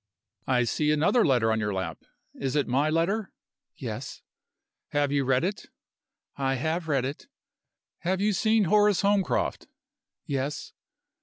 "I see another letter on your lap. Is it my letter?" "Yes." "Have you read it?" "I have read it." "Have you seen Horace Holmcroft?" "Yes."